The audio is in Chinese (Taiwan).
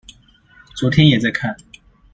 昨天也在看